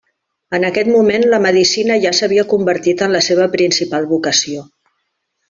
En aquest moment, la medicina ja s'havia convertit en la seva principal vocació.